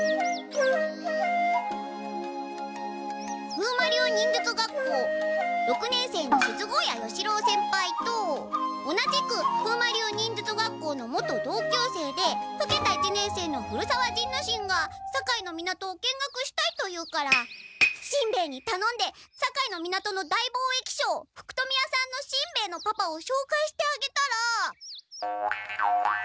風魔流忍術学校六年生の錫高野与四郎先輩と同じく風魔流忍術学校の元同級生でふけた一年生の古沢仁之進が堺の港を見学したいと言うからしんべヱにたのんで堺の港の大貿易商福富屋さんのしんべヱのパパをしょうかいしてあげたら。